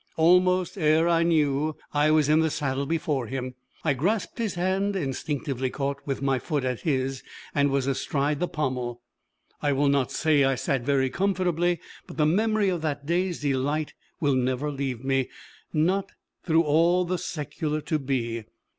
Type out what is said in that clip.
Almost ere I knew, I was in the saddle before him. I grasped his hand, instinctively caught with my foot at his, and was astride the pommel. I will not say I sat very comfortably, but the memory of that day's delight will never leave me not "through all the secular to be."